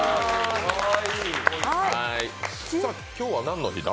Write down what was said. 今日は何の日だ？